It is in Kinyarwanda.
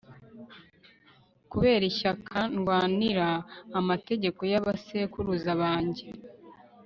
kubera ishyaka ndwanira amategeko y'abasekuruza banjye